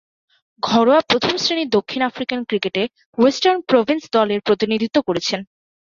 ঘরোয়া প্রথম-শ্রেণীর দক্ষিণ আফ্রিকান ক্রিকেটে ওয়েস্টার্ন প্রভিন্স দলের প্রতিনিধিত্ব করেছেন।